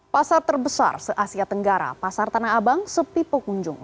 pasar terbesar se asia tenggara pasar tanah abang sepipuk kunjung